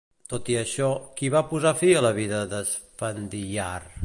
Tot i això, qui va posar fi a la vida d'Esfandiyār?